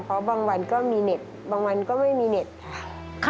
เพราะบางวันก็มีเน็ตบางวันก็ไม่มีเน็ตค่ะ